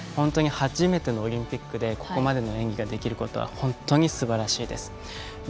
初めてのオリンピックでここまでの演技ができることは本当にすばらしいです。